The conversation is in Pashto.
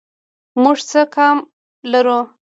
موږ څه کم لرو؟